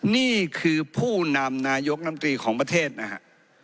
นี่คือผู้นำนายกลำตรีของประเทศนะฮะ